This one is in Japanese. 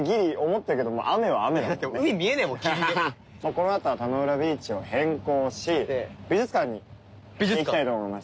このあとは田ノ浦ビーチを変更し美術館に行きたいと思います。